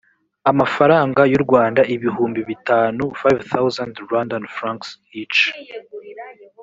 amafaranga y u rwanda ibihumbi bitanu five thousand rwandan francs each